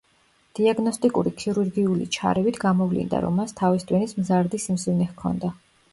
დიაგნოსტიკური ქირურგიული ჩარევით გამოვლინდა, რომ მას თავის ტვინის მზარდი სიმსივნე ჰქონდა.